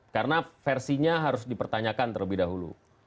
karena versinya harus dipertanyakan terlebih dahulu